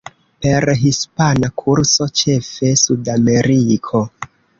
Per hispana kurso, ĉefe Sudameriko.